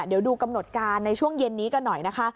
เดี๋ยวดูกำหนดการในช่วงเย็นนี้กันหน่อยนะคะ